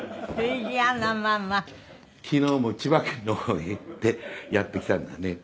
昨日も千葉県の方へ行ってやってきたんですね。